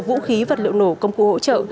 vũ khí vật liệu nổ công cụ hỗ trợ